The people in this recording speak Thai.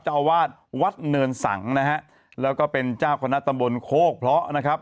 เจ้าอาวาสวัดเนินสังนะฮะแล้วก็เป็นเจ้าคณะตำบลโคกเพราะนะครับ